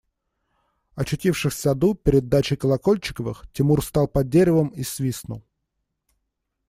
Очутившись в саду перед дачей Колокольчиковых, Тимур стал под деревом и свистнул.